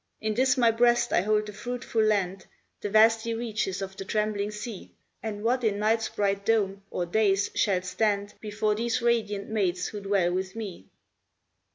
"In this my breast I hold the fruitful land, The vasty reaches of the trembling sea; And what in night's bright dome, or day's, shall stand Before these radiant maids who dwell with me?"